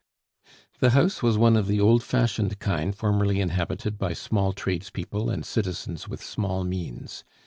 The house was one of the old fashioned kind formerly inhabited by small tradespeople and citizens with small means.